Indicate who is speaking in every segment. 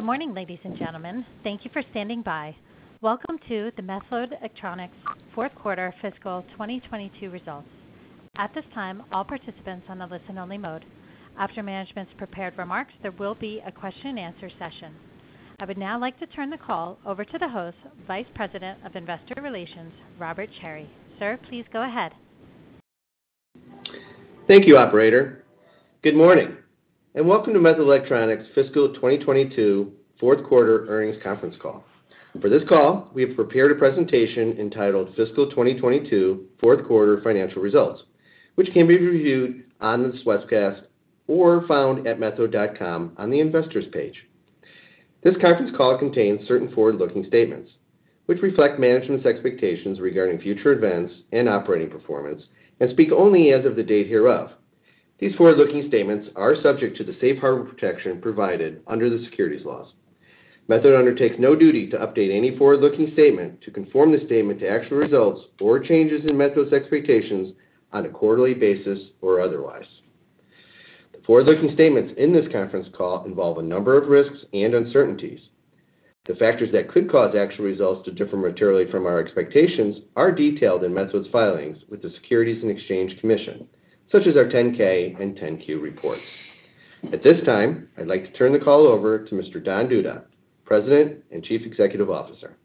Speaker 1: Good morning, ladies and gentlemen. Thank you for standing by. Welcome to the Methode Electronics Fourth Quarter Fiscal 2022 Results. At this time, all participants on the listen-only mode. After management's prepared remarks, there will be a question and answer session. I would now like to turn the call over to the host, Vice President of Investor Relations, Robert Cherry. Sir, please go ahead.
Speaker 2: Thank you, operator. Good morning, and welcome to Methode Electronics fiscal 2022 fourth quarter earnings conference call. For this call, we have prepared a presentation entitled Fiscal 2022 Fourth Quarter Financial Results, which can be reviewed on this webcast or found at methode.com on the investors page. This conference call contains certain forward-looking statements which reflect management's expectations regarding future events and operating performance and speak only as of the date hereof. These forward-looking statements are subject to the safe harbor protection provided under the securities laws. Methode Electronics undertakes no duty to update any forward-looking statement to conform the statement to actual results or changes in Methode's expectations on a quarterly basis or otherwise. The forward-looking statements in this conference call involve a number of risks and uncertainties. The factors that could cause actual results to differ materially from our expectations are detailed in Methode's filings with the Securities and Exchange Commission, such as our 10-K and 10-Q reports. At this time, I'd like to turn the call over to Mr. Don Duda, President and Chief Executive Officer.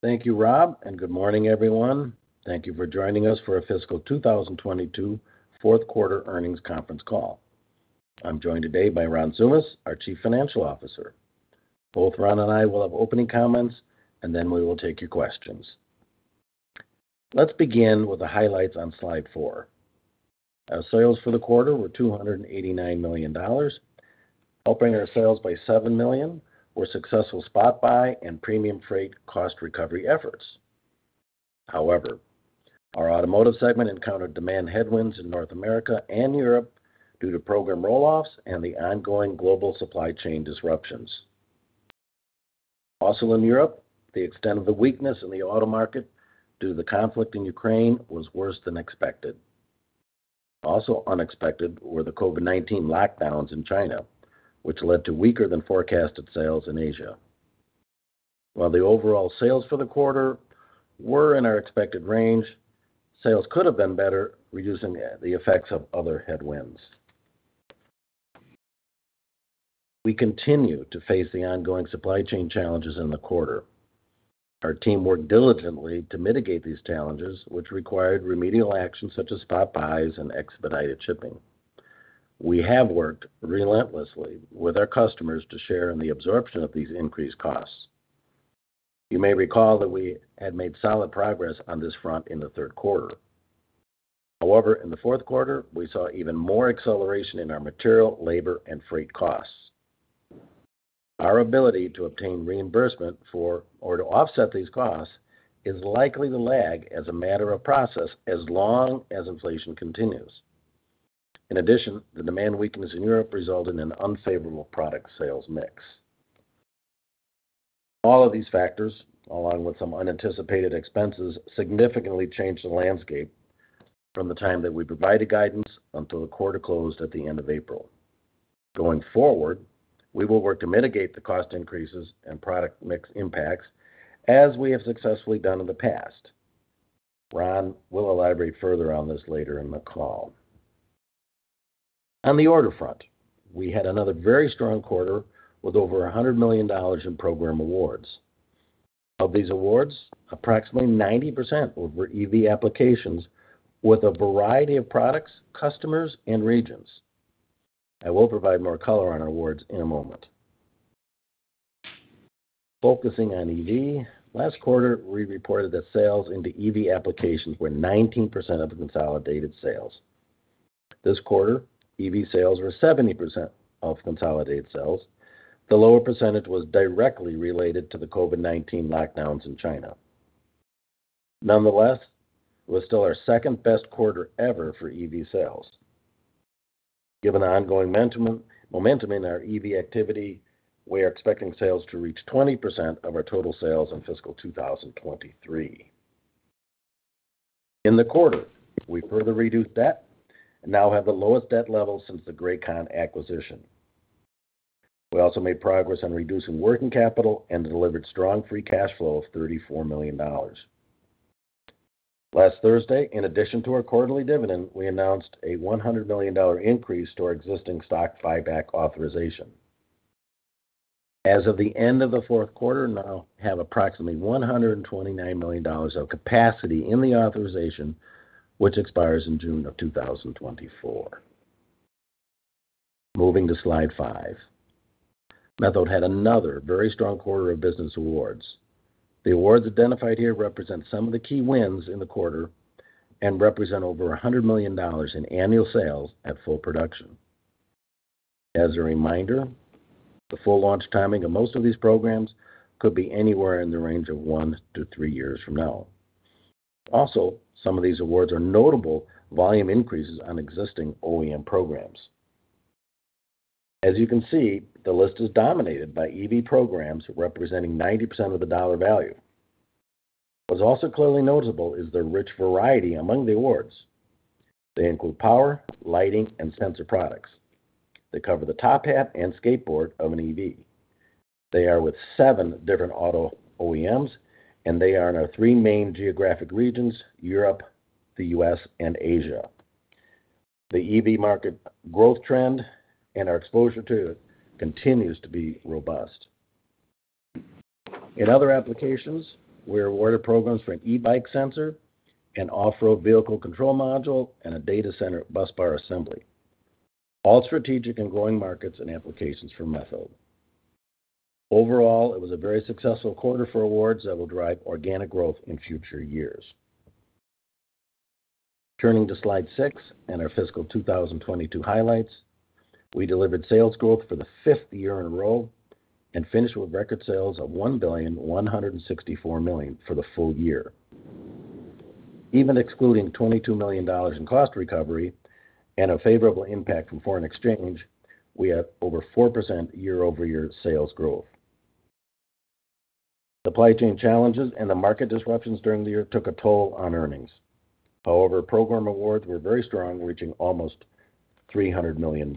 Speaker 3: Thank you, Rob, and good morning, everyone. Thank you for joining us for our fiscal 2022 fourth quarter earnings conference call. I'm joined today by Ron Tsoumas, our Chief Financial Officer. Both Ron and I will have opening comments, and then we will take your questions. Let's begin with the highlights on slide four. Our sales for the quarter were $289 million. Helping our sales by $7 million were successful spot buy and premium freight cost recovery efforts. However, our automotive segment encountered demand headwinds in North America and Europe due to program roll-offs and the ongoing global supply chain disruptions. Also in Europe, the extent of the weakness in the auto market due to the conflict in Ukraine was worse than expected. Also unexpected were the COVID-19 lockdowns in China, which led to weaker than forecasted sales in Asia. While the overall sales for the quarter were in our expected range, sales could have been better, reducing the effects of other headwinds. We continued to face the ongoing supply chain challenges in the quarter. Our team worked diligently to mitigate these challenges, which required remedial actions such as spot buys and expedited shipping. We have worked relentlessly with our customers to share in the absorption of these increased costs. You may recall that we had made solid progress on this front in the third quarter. However, in the fourth quarter, we saw even more acceleration in our material, labor, and freight costs. Our ability to obtain reimbursement for or to offset these costs is likely to lag as a matter of process as long as inflation continues. In addition, the demand weakness in Europe results in an unfavorable product sales mix. All of these factors, along with some unanticipated expenses, significantly changed the landscape from the time that we provided guidance until the quarter closed at the end of April. Going forward, we will work to mitigate the cost increases and product mix impacts as we have successfully done in the past. Ron will elaborate further on this later in the call. On the order front, we had another very strong quarter with over $100 million in program awards. Of these awards, approximately 90% were EV applications with a variety of products, customers, and regions. I will provide more color on our awards in a moment. Focusing on EV, last quarter, we reported that sales into EV applications were 19% of the consolidated sales. This quarter, EV sales were 70% of consolidated sales. The lower percentage was directly related to the COVID-19 lockdowns in China. Nonetheless, it was still our second-best quarter ever for EV sales. Given the ongoing momentum in our EV activity, we are expecting sales to reach 20% of our total sales in fiscal 2023. In the quarter, we further reduced debt and now have the lowest debt level since the Grakon acquisition. We also made progress on reducing working capital and delivered strong free cash flow of $34 million. Last Thursday, in addition to our quarterly dividend, we announced a $100 million increase to our existing stock buyback authorization. As of the end of the fourth quarter, we now have approximately $129 million of capacity in the authorization, which expires in June 2024. Moving to slide five. Methode had another very strong quarter of business awards. The awards identified here represent some of the key wins in the quarter and represent over $100 million in annual sales at full production. As a reminder, the full launch timing of most of these programs could be anywhere in the range of one-three years from now. Also, some of these awards are notable volume increases on existing OEM programs. As you can see, the list is dominated by EV programs representing 90% of the dollar value. What's also clearly noticeable is the rich variety among the awards. They include power, lighting, and sensor products. They cover the top hat and skateboard of an EV. They are with seven different auto OEMs, and they are in our three main geographic regions, Europe, the U.S., and Asia. The EV market growth trend and our exposure to it continues to be robust. In other applications, we are awarded programs for an e-bike sensor, an off-road vehicle control module, and a data center busbar assembly, all strategic and growing markets and applications for Methode. Overall, it was a very successful quarter for awards that will drive organic growth in future years. Turning to slide six and our fiscal 2022 highlights. We delivered sales growth for the fifth year in a row and finished with record sales of $1.164 billion for the full year. Even excluding $22 million in cost recovery and a favorable impact from foreign exchange, we had over 4% year-over-year sales growth. Supply chain challenges and the market disruptions during the year took a toll on earnings. However, program awards were very strong, reaching almost $300 million.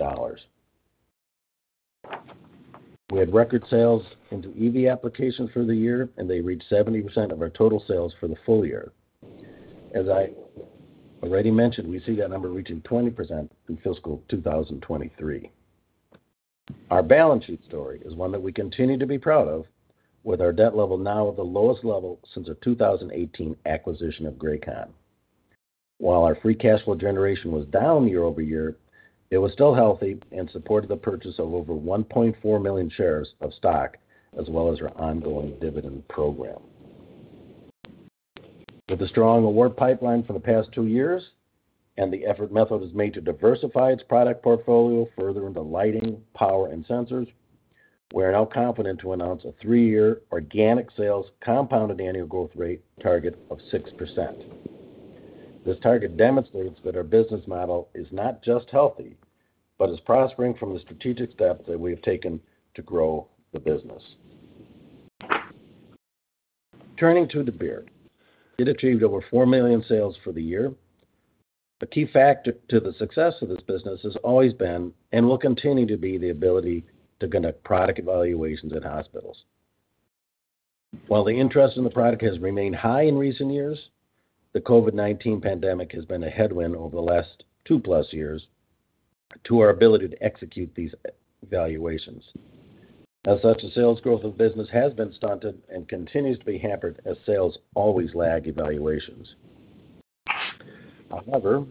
Speaker 3: We had record sales into EV applications for the year, and they reached 70% of our total sales for the full year. As I already mentioned, we see that number reaching 20% in fiscal 2023. Our balance sheet story is one that we continue to be proud of, with our debt level now at the lowest level since the 2018 acquisition of Grakon. While our free cash flow generation was down year-over-year, it was still healthy and supported the purchase of over 1.4 million shares of stock, as well as our ongoing dividend program. With a strong award pipeline for the past two years and the effort Methode has made to diversify its product portfolio further into lighting, power, and sensors, we are now confident to announce a three-year organic sales compounded annual growth rate target of 6%. This target demonstrates that our business model is not just healthy, but is prospering from the strategic steps that we have taken to grow the business. Turning to the Dabir, it achieved over $4 million sales for the year. The key factor to the success of this business has always been, and will continue to be, the ability to conduct product evaluations at hospitals. While the interest in the product has remained high in recent years, the COVID-19 pandemic has been a headwind over the last 2+ years to our ability to execute these evaluations. As such, the sales growth of business has been stunted and continues to be hampered as sales always lag evaluations. However,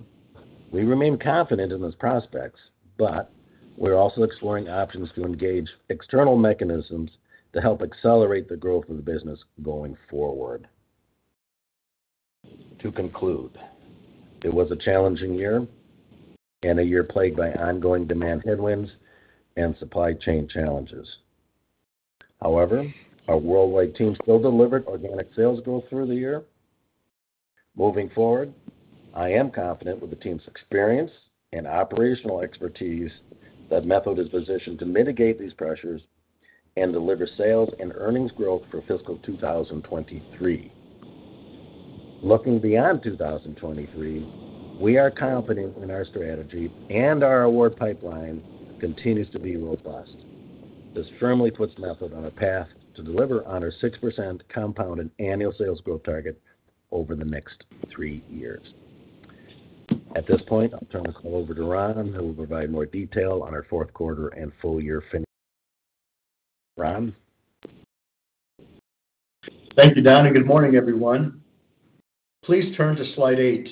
Speaker 3: we remain confident in those prospects, but we're also exploring options to engage external mechanisms to help accelerate the growth of the business going forward. To conclude, it was a challenging year and a year plagued by ongoing demand headwinds and supply chain challenges. However, our worldwide team still delivered organic sales growth through the year. Moving forward, I am confident with the team's experience and operational expertise that Methode is positioned to mitigate these pressures and deliver sales and earnings growth for fiscal 2023. Looking beyond 2023, we are confident in our strategy, and our award pipeline continues to be robust. This firmly puts Methode on a path to deliver on our 6% compounded annual sales growth target over the next three years. At this point, I'll turn this call over to Ron, who will provide more detail on our fourth quarter and full year finish. Ron?
Speaker 4: Thank you, Don, and good morning, everyone. Please turn to slide eight.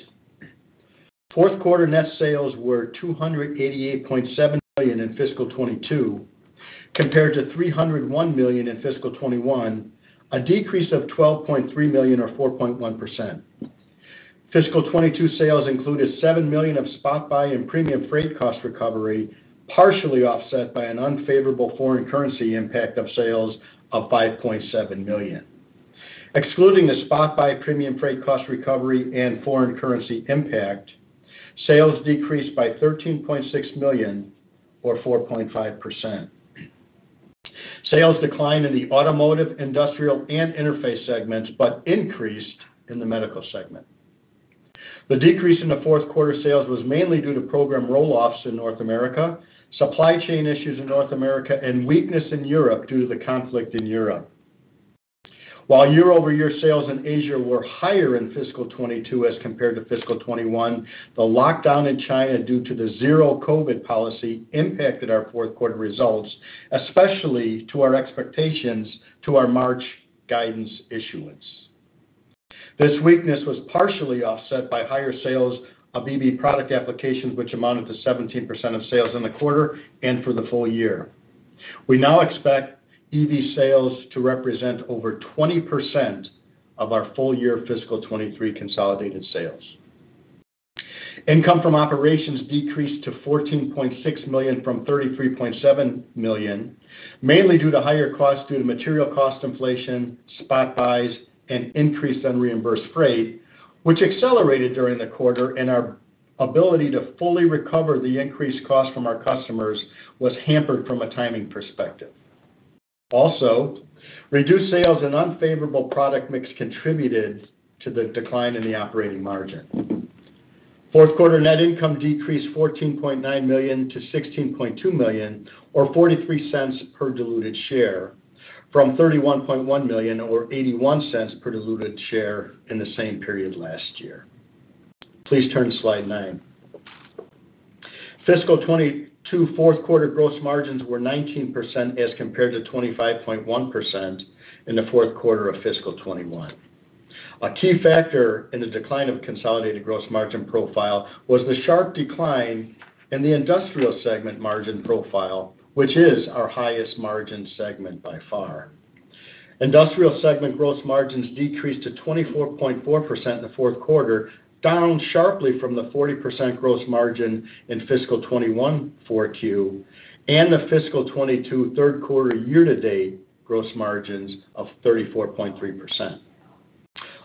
Speaker 4: Fourth quarter net sales were $288.7 million in fiscal 2022 compared to $301 million in fiscal 2021, a decrease of $12.3 million or 4.1%. Fiscal 2022 sales included $7 million of spot buy and premium freight cost recovery, partially offset by an unfavorable foreign currency impact on sales of $5.7 million. Excluding the spot buy premium freight cost recovery and foreign currency impact, sales decreased by $13.6 million or 4.5%. Sales declined in the automotive, industrial, and interface segments, but increased in the medical segment. The decrease in the fourth quarter sales was mainly due to program roll-offs in North America, supply chain issues in North America, and weakness in Europe due to the conflict in Europe. While year-over-year sales in Asia were higher in fiscal 2022 as compared to fiscal 2021, the lockdown in China due to the zero-COVID policy impacted our fourth quarter results, especially to our expectations to our March guidance issuance. This weakness was partially offset by higher sales of EV product applications, which amounted to 17% of sales in the quarter and for the full year. We now expect EV sales to represent over 20% of our full year fiscal 2023 consolidated sales. Income from operations decreased to $14.6 million from $33.7 million, mainly due to higher costs due to material cost inflation, spot buys, and increased unreimbursed freight, which accelerated during the quarter, and our ability to fully recover the increased cost from our customers was hampered from a timing perspective. Also, reduced sales and unfavorable product mix contributed to the decline in the operating margin. Fourth quarter net income decreased $14.9 million to $16.2 million or $0.43 per diluted share from $31.1 million or $0.81 per diluted share in the same period last year. Please turn to slide nine. Fiscal 2022 fourth quarter gross margins were 19% as compared to 25.1% in the fourth quarter of fiscal 2021. A key factor in the decline of consolidated gross margin profile was the sharp decline in the industrial segment margin profile, which is our highest margin segment by far. Industrial segment gross margins decreased to 24.4% in the fourth quarter, down sharply from the 40% gross margin in fiscal 2021 Q4, and the fiscal 2022 third quarter year-to-date gross margins of 34.3%.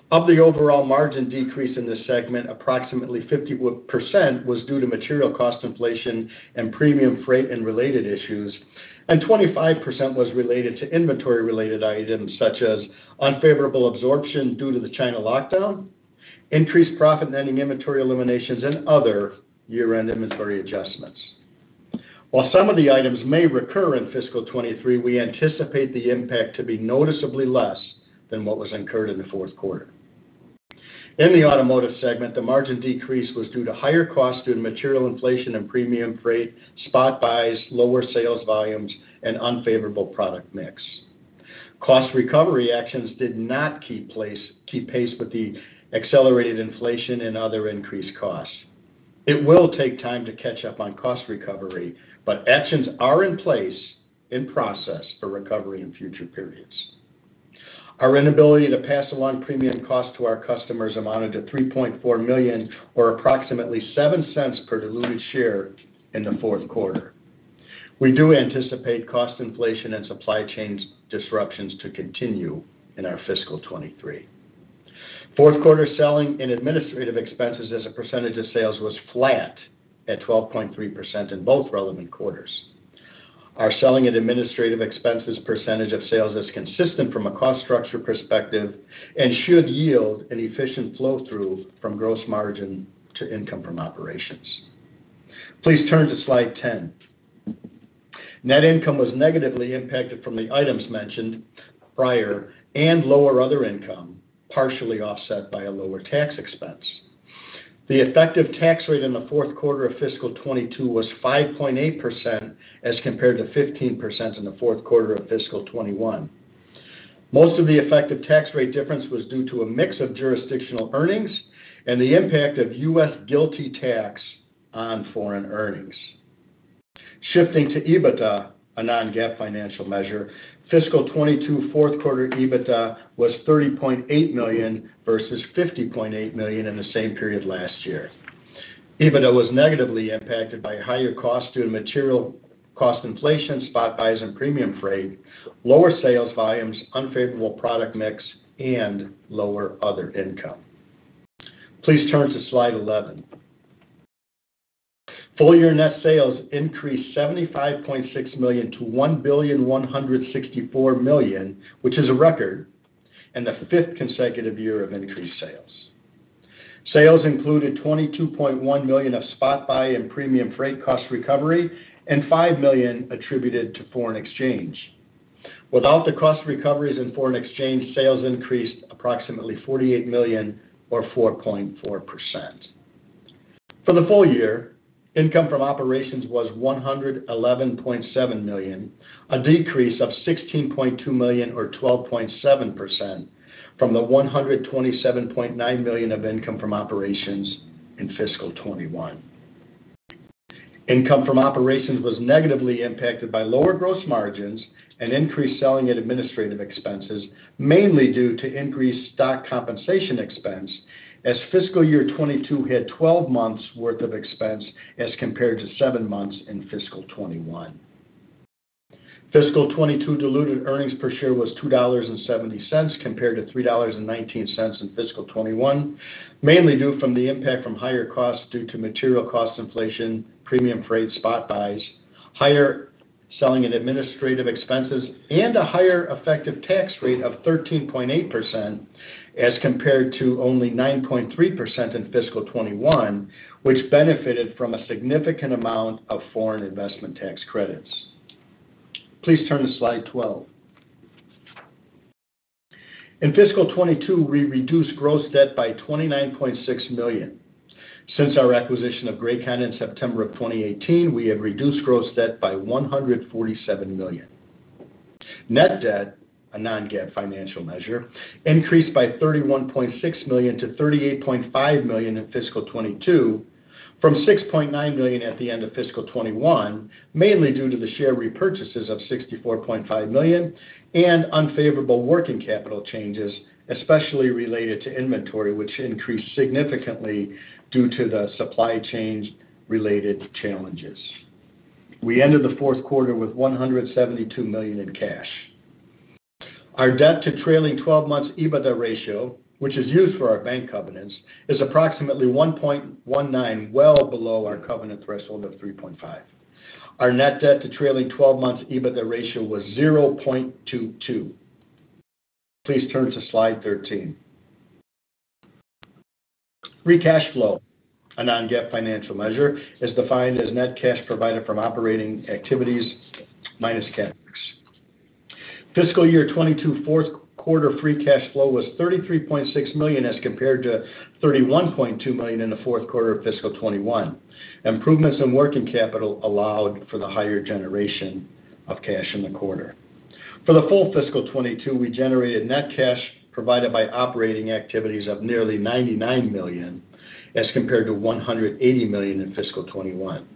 Speaker 4: Of the overall margin decrease in this segment, approximately 50% was due to material cost inflation and premium freight and related issues, and 25% was related to inventory-related items such as unfavorable absorption due to the China lockdown, increased profit ending inventory eliminations, and other year-end inventory adjustments. While some of the items may recur in fiscal 2023, we anticipate the impact to be noticeably less than what was incurred in the fourth quarter. In the automotive segment, the margin decrease was due to higher costs due to material inflation and premium freight, spot buys, lower sales volumes, and unfavorable product mix. Cost recovery actions did not keep pace with the accelerated inflation and other increased costs. It will take time to catch up on cost recovery, but actions are in place, in process for recovery in future periods. Our inability to pass along premium costs to our customers amounted to $3.4 million, or approximately $0.7 per diluted share in the fourth quarter. We do anticipate cost inflation and supply chain disruptions to continue in our fiscal 2023. Fourth quarter selling and administrative expenses as a percentage of sales was flat at 12.3% in both relevant quarters. Our selling and administrative expenses percentage of sales is consistent from a cost structure perspective and should yield an efficient flow through from gross margin to income from operations. Please turn to slide 10. Net income was negatively impacted from the items mentioned prior and lower other income, partially offset by a lower tax expense. The effective tax rate in the fourth quarter of fiscal 2022 was 5.8% as compared to 15% in the fourth quarter of fiscal 2021. Most of the effective tax rate difference was due to a mix of jurisdictional earnings and the impact of U.S. GILTI tax on foreign earnings. Shifting to EBITDA, a non-GAAP financial measure, fiscal 2022 fourth quarter EBITDA was $30.8 million versus $50.8 million in the same period last year. EBITDA was negatively impacted by higher costs due to material cost inflation, spot buys and premium freight, lower sales volumes, unfavorable product mix, and lower other income. Please turn to slide 11. Full-year net sales increased $75.6 million to $1.164 billion, which is a record and the fifth consecutive year of increased sales. Sales included $22.1 million of spot buy and premium freight cost recovery and $5 million attributed to foreign exchange. Without the cost recoveries in foreign exchange, sales increased approximately $48 million or 4.4%. For the full year, income from operations was $111.7 million, a decrease of $16.2 million or 12.7% from the $127.9 million of income from operations in fiscal 2021. Income from operations was negatively impacted by lower gross margins and increased selling and administrative expenses, mainly due to increased stock compensation expense as fiscal year 2022 had 12 months worth of expense as compared to seven months in fiscal 2021. Fiscal 2022 diluted earnings per share was $2.70 compared to $3.19 in fiscal 2021. Mainly due to the impact from higher costs due to material cost inflation, premium freight spot buys, higher selling and administrative expenses, and a higher effective tax rate of 13.8% as compared to only 9.3% in fiscal 2021, which benefited from a significant amount of foreign investment tax credits. Please turn to slide 12. In fiscal 2022, we reduced gross debt by $29.6 million. Since our acquisition of Grakon in September of 2018, we have reduced gross debt by $147 million. Net debt, a non-GAAP financial measure, increased by $31.6 million to $38.5 million in fiscal 2022 from $6.9 million at the end of fiscal 2021, mainly due to the share repurchases of $64.5 million and unfavorable working capital changes, especially related to inventory, which increased significantly due to the supply chain-related challenges. We ended the fourth quarter with $172 million in cash. Our debt to trailing 12 months EBITDA ratio, which is used for our bank covenants, is approximately 1.19, well below our covenant threshold of 3.5. Our net debt to trailing 12 months EBITDA ratio was 0.22. Please turn to slide 13. Free cash flow, a non-GAAP financial measure, is defined as net cash provided from operating activities minus CapEx. Fiscal year 2022 fourth quarter free cash flow was $33.6 million as compared to $31.2 million in the fourth quarter of fiscal 2021. Improvements in working capital allowed for the higher generation of cash in the quarter. For the full fiscal 2022, we generated net cash provided by operating activities of nearly $99 million as compared to $180 million in fiscal 2021.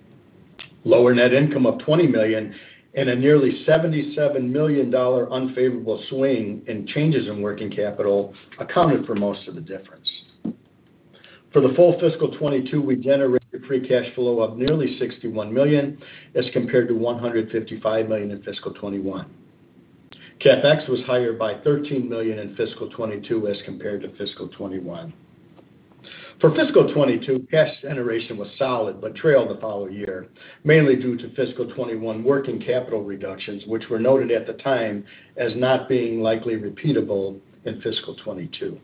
Speaker 4: Lower net income of $20 million and a nearly $77 million unfavorable swing in changes in working capital accounted for most of the difference. For the full fiscal 2022, we generated free cash flow of nearly $61 million as compared to $155 million in fiscal 2021. CapEx was higher by $13 million in fiscal 2022 as compared to fiscal 2021. For fiscal 2022, cash generation was solid but trailed the following year, mainly due to fiscal 2021 working capital reductions, which were noted at the time as not being likely repeatable in fiscal 2022.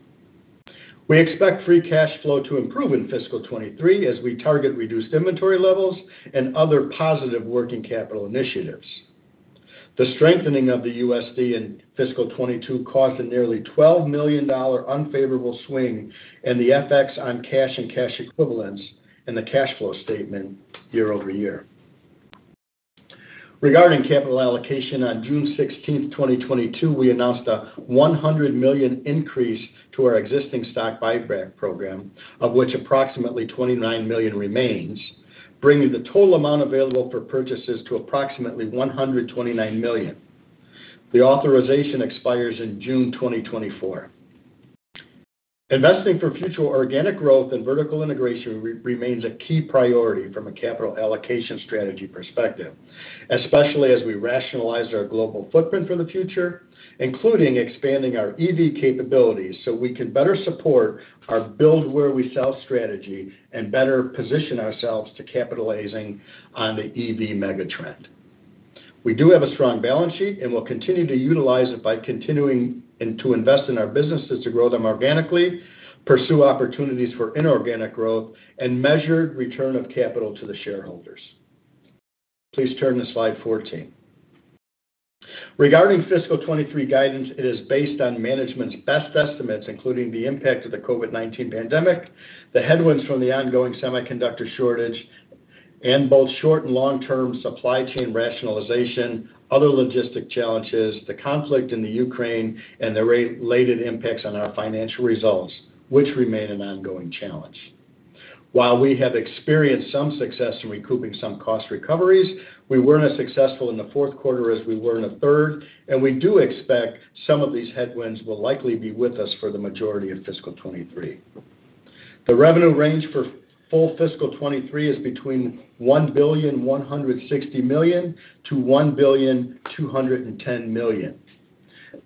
Speaker 4: We expect free cash flow to improve in fiscal 2023 as we target reduced inventory levels and other positive working capital initiatives. The strengthening of the USD in fiscal 2022 caused a nearly $12 million-dollar unfavorable swing in the FX on cash and cash equivalents in the cash flow statement year-over-year. Regarding capital allocation, on June 16th, 2022, we announced a $100 million increase to our existing stock buyback program, of which approximately $29 million remains, bringing the total amount available for purchases to approximately $129 million. The authorization expires in June 2024. Investing for future organic growth and vertical integration remains a key priority from a capital allocation strategy perspective, especially as we rationalize our global footprint for the future, including expanding our EV capabilities, so we can better support our build where we sell strategy and better position ourselves to capitalize on the EV mega trend. We do have a strong balance sheet, and we'll continue to utilize it by continuing to invest in our businesses to grow them organically, pursue opportunities for inorganic growth and measured return of capital to the shareholders. Please turn to slide 14. Regarding fiscal 2023 guidance, it is based on management's best estimates, including the impact of the COVID-19 pandemic, the headwinds from the ongoing semiconductor shortage, and both short and long-term supply chain rationalization, other logistical challenges, the conflict in Ukraine and the related impacts on our financial results, which remain an ongoing challenge. While we have experienced some success in recouping some cost recoveries, we weren't as successful in the fourth quarter as we were in the third, and we do expect some of these headwinds will likely be with us for the majority of fiscal 2023. The revenue range for full fiscal 2023 is between $1.16 billion-$1.21 billion.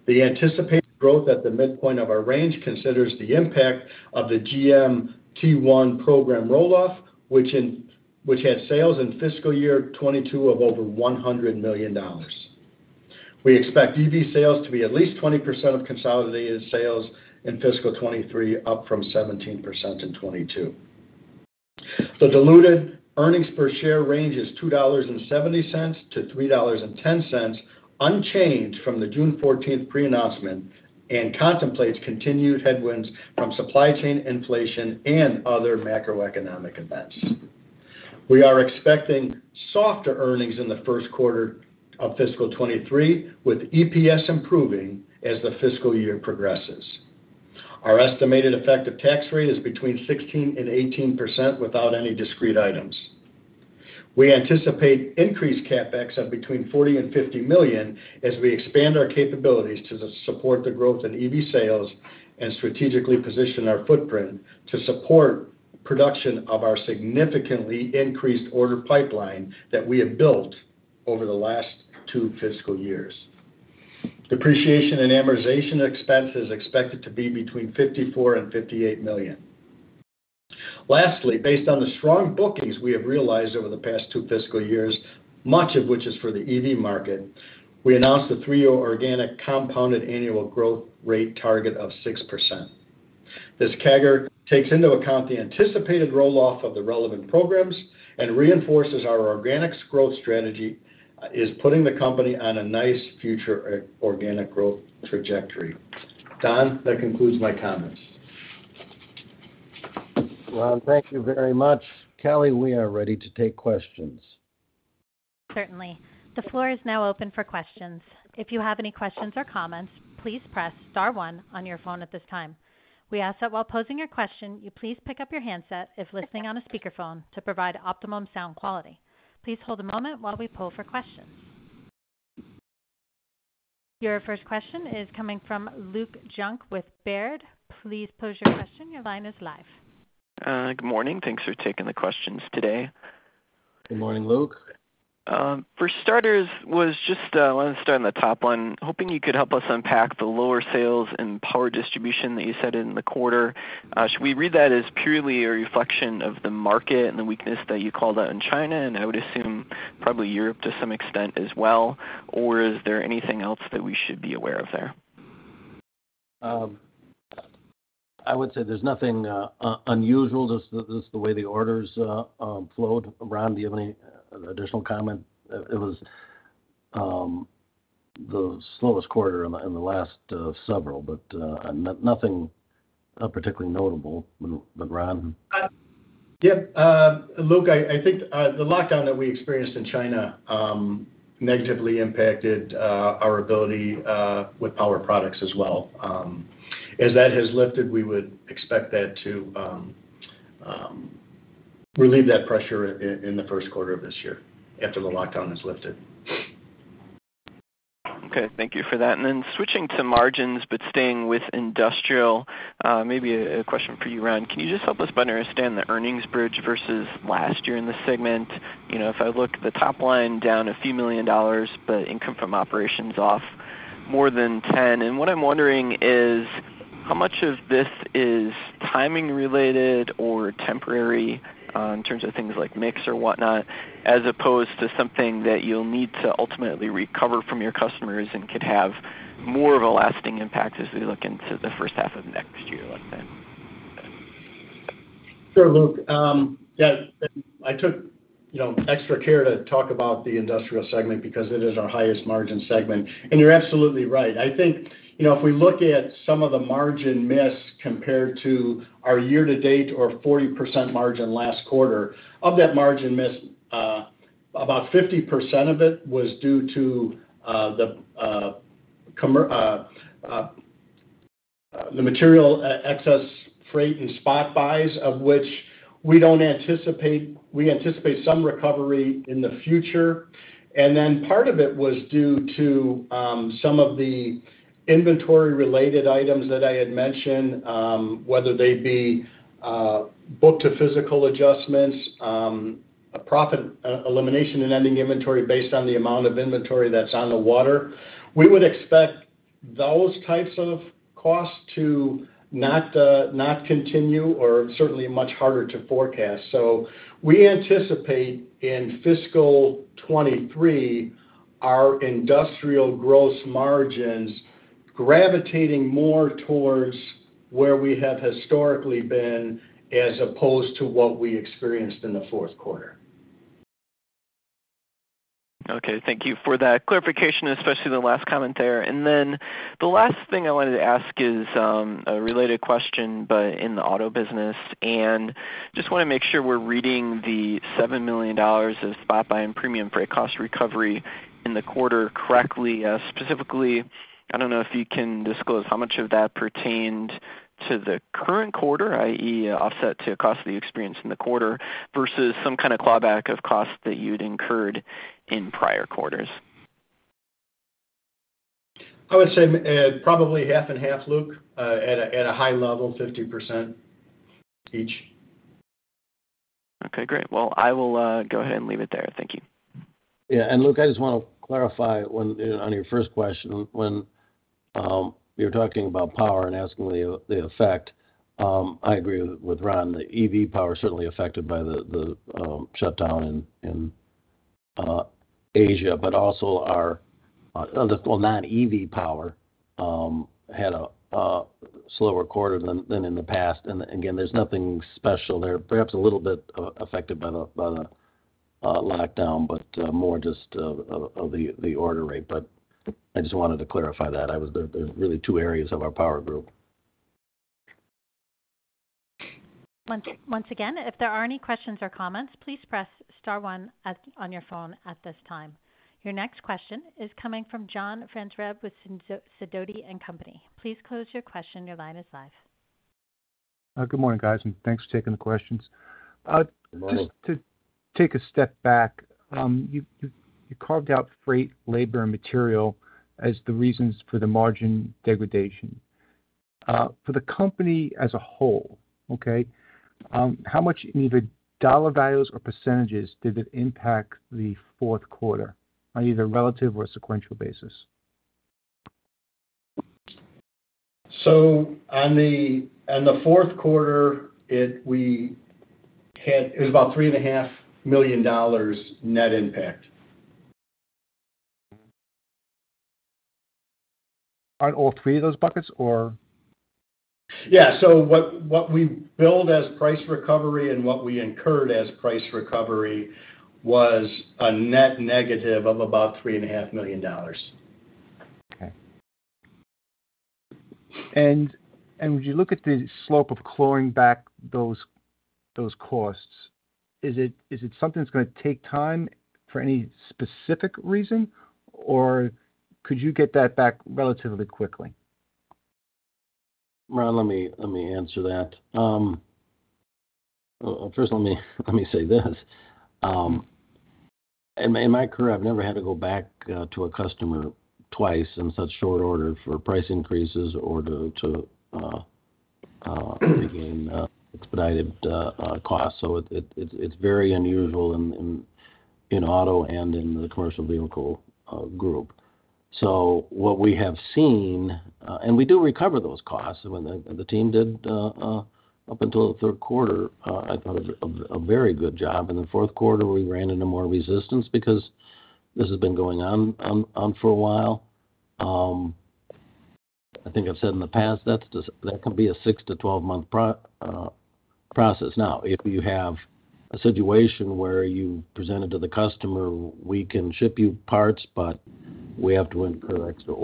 Speaker 4: The anticipated growth at the midpoint of our range considers the impact of the GM T1 program roll-off, which had sales in fiscal year 2022 of over $100 million. We expect EV sales to be at least 20% of consolidated sales in fiscal 2023, up from 17% in 2022. The diluted earnings per share range is $2.70-$3.10, unchanged from the June 14th pre-announcement, and contemplates continued headwinds from supply chain inflation and other macroeconomic events. We are expecting softer earnings in the first quarter of fiscal 2023, with EPS improving as the fiscal year progresses. Our estimated effective tax rate is between 16% and 18% without any discrete items. We anticipate increased CapEx of between $40 million-$50 million as we expand our capabilities to support the growth in EV sales and strategically position our footprint to support production of our significantly increased order pipeline that we have built over the last two fiscal years. Depreciation and amortization expense is expected to be between $54 milllion-$58 million. Lastly, based on the strong bookings we have realized over the past two fiscal years, much of which is for the EV market, we announced a three-year organic compounded annual growth rate target of 6%. This CAGR takes into account the anticipated roll-off of the relevant programs and reinforces our organic growth strategy, is putting the company on a nice future, organic growth trajectory. Don, that concludes my comments.
Speaker 3: Ron, thank you very much. Kelly, we are ready to take questions.
Speaker 1: Certainly. The floor is now open for questions. If you have any questions or comments, please press star one on your phone at this time. We ask that while posing your question, you please pick up your handset if listening on a speakerphone to provide optimum sound quality. Please hold a moment while we poll for questions. Your first question is coming from Luke Junk with Baird. Please pose your question, your line is live.
Speaker 5: Good morning. Thanks for taking the questions today.
Speaker 3: Good morning, Luke.
Speaker 5: For starters, I just wanted to start on the top one. Hoping you could help us unpack the lower sales and power distribution that you said in the quarter. Should we read that as purely a reflection of the market and the weakness that you called out in China, and I would assume probably Europe to some extent as well, or is there anything else that we should be aware of there?
Speaker 3: I would say there's nothing unusual. Just the way the orders flowed. Ron, do you have any additional comment? It was the slowest quarter in the last several, but nothing particularly notable. Ron?
Speaker 4: Yeah. Luke, I think the lockdown that we experienced in China negatively impacted our ability with power products as well. As that has lifted, we would expect that to relieve that pressure in the first quarter of this year after the lockdown is lifted.
Speaker 5: Okay. Thank you for that. Switching to margins, but staying with industrial, maybe a question for you, Ron. Can you just help us better understand the earnings bridge versus last year in this segment? You know, if I look at the top line down a few million dollars, but income from operations off more than $10 million. What I'm wondering is, how much of this is timing related or temporary, in terms of things like mix or whatnot, as opposed to something that you'll need to ultimately recover from your customers and could have more of a lasting impact as we look into the first half of next year, like then?
Speaker 4: Sure, Luke. Yeah, I took, you know, extra care to talk about the industrial segment because it is our highest margin segment. You're absolutely right. I think, you know, if we look at some of the margin miss compared to our year-to-date or 40% margin last quarter, of that margin miss, about 50% of it was due to the material excess freight and spot buys of which we don't anticipate. We anticipate some recovery in the future. Then part of it was due to some of the inventory-related items that I had mentioned, whether they be book-to-physical adjustments, a profit elimination and ending inventory based on the amount of inventory that's on the water. We would expect those types of costs to not continue or certainly much harder to forecast. We anticipate in fiscal 2023, our industrial gross margins gravitating more towards where we have historically been as opposed to what we experienced in the fourth quarter.
Speaker 5: Okay, thank you for that clarification, especially the last comment there. Then the last thing I wanted to ask is a related question, but in the auto business. Just wanna make sure we're reading the $7 million of spot buy and premium freight cost recovery in the quarter correctly. Specifically, I don't know if you can disclose how much of that pertained to the current quarter, i.e., offset to costs experienced in the quarter versus some kind of clawback of costs that you'd incurred in prior quarters.
Speaker 4: I would say, probably half and half, Luke, at a high level, 50% each.
Speaker 5: Okay, great. Well, I will go ahead and leave it there. Thank you.
Speaker 3: Yeah. Luke, I just wanna clarify on your first question, when you're talking about power and asking the effect, I agree with Ron. The EV power is certainly affected by the shutdown in Asia, but also our well non-EV power had a slower quarter than in the past. Again, there's nothing special there. Perhaps a little bit affected by the lockdown, but more just of the order rate. I just wanted to clarify that. There, there's really two areas of our power group.
Speaker 1: Once again, if there are any questions or comments, please press star one on your phone at this time. Your next question is coming from John Franzreb with Sidoti & Company. Please pose your question. Your line is live.
Speaker 6: Good morning, guys, and thanks for taking the questions.
Speaker 3: Good morning.
Speaker 6: Just to take a step back, you carved out freight, labor, and material as the reasons for the margin degradation. For the company as a whole, okay, how much in either dollar values or percentages did it impact the fourth quarter on either relative or sequential basis?
Speaker 4: On the fourth quarter, it was about $3.5 million net impact.
Speaker 6: On all three of those buckets or?
Speaker 4: What we build as price recovery and what we incurred as price recovery was a net negative of about $3.5 million.
Speaker 6: Okay. Would you look at the slope of clawing back those costs? Is it something that's gonna take time for any specific reason, or could you get that back relatively quickly?
Speaker 3: Ron, let me answer that. First, let me say this. In my career, I've never had to go back to a customer twice in such short order for price increases or to gain expedited costs. It's very unusual in auto and in the commercial vehicle group. What we have seen and we do recover those costs. The team did, up until the third quarter, I thought, a very good job. In the fourth quarter, we ran into more resistance because this has been going on for a while. I think I've said in the past, that could be a six-12-month process. Now, if you have a situation where you presented to the customer, we can ship you parts, but we have to incur extra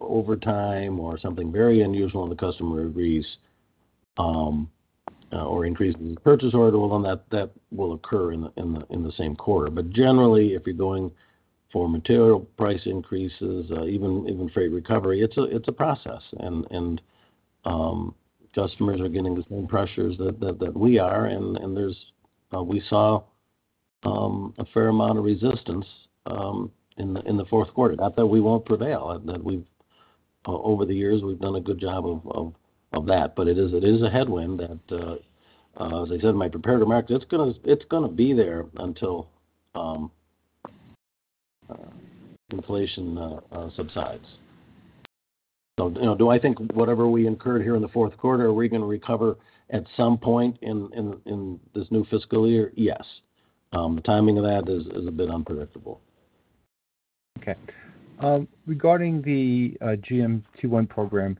Speaker 3: overtime or something very unusual, and the customer agrees, or increase in purchase order, well, then that will occur in the same quarter. But generally, if you're going for material price increases, even freight recovery, it's a process. Customers are getting the same pressures that we are and there's. We saw a fair amount of resistance in the fourth quarter. Not that we won't prevail. That we've over the years, we've done a good job of that. It is a headwind that, as I said in my prepared remarks, it's gonna be there until inflation subsides. You know, do I think whatever we incurred here in the fourth quarter, are we gonna recover at some point in this new fiscal year? Yes. The timing of that is a bit unpredictable.
Speaker 6: Okay. Regarding the GM T1 program,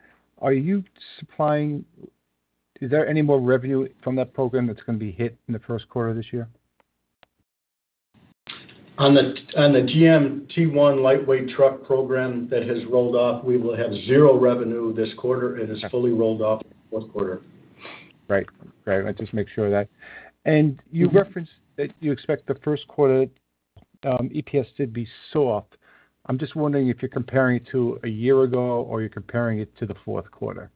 Speaker 6: is there any more revenue from that program that's gonna be hit in the first quarter of this year?
Speaker 4: On the GM T1 lightweight truck program that has rolled off, we will have 0 revenue this quarter. It is fully rolled off fourth quarter.
Speaker 6: Right. I just make sure of that. You referenced that you expect the first quarter EPS to be soft. I'm just wondering if you're comparing to a year ago or you're comparing it to the fourth quarter.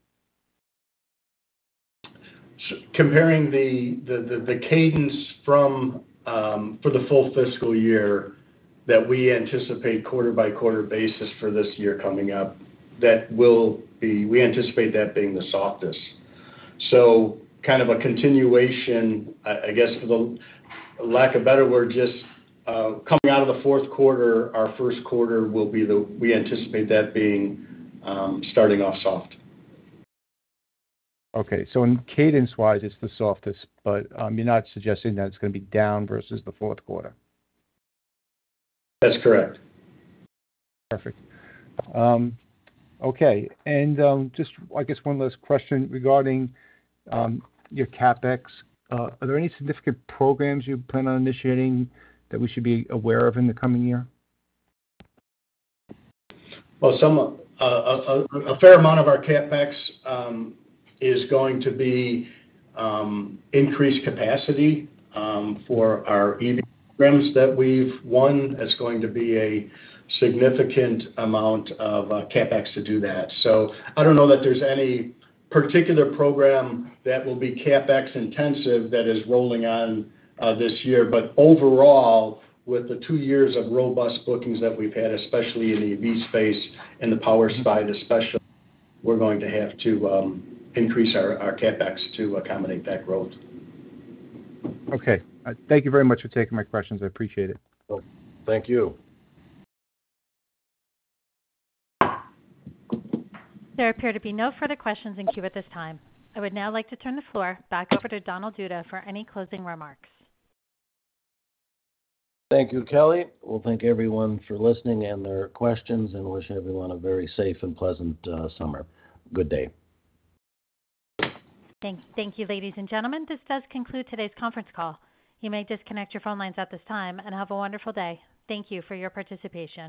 Speaker 4: Comparing the cadence for the full fiscal year that we anticipate quarter by quarter basis for this year coming up, that will be the softest. Kind of a continuation, I guess for the lack of better word, just coming out of the fourth quarter, our first quarter will be starting off soft.
Speaker 6: Okay. In cadence-wise, it's the softest, but, you're not suggesting that it's gonna be down versus the fourth quarter?
Speaker 4: That's correct.
Speaker 6: Perfect. Okay. Just, I guess, one last question regarding your CapEx. Are there any significant programs you plan on initiating that we should be aware of in the coming year?
Speaker 4: Well, a fair amount of our CapEx is going to be increased capacity for our EV programs that we've won. It's going to be a significant amount of CapEx to do that. I don't know that there's any particular program that will be CapEx-intensive that is rolling on this year. Overall, with the two years of robust bookings that we've had, especially in the EV space and the PowerStrip especially, we're going to have to increase our CapEx to accommodate that growth.
Speaker 6: Okay. Thank you very much for taking my questions. I appreciate it.
Speaker 4: Oh, thank you.
Speaker 1: There appear to be no further questions in queue at this time. I would now like to turn the floor back over to Donald Duda for any closing remarks.
Speaker 3: Thank you, Kelly. Well, thank everyone for listening and their questions and wish everyone a very safe and pleasant summer. Good day.
Speaker 1: Thank you, ladies and gentlemen. This does conclude today's conference call. You may disconnect your phone lines at this time and have a wonderful day. Thank you for your participation.